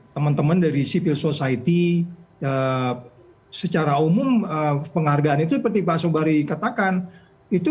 teman teman dari civil society secara umum penghargaan itu seperti pak sobari katakan itu